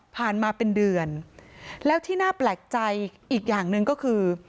มาเป็นเดือนแล้วที่น่าแปลกใจอีกอย่างหนึ่งก็คือ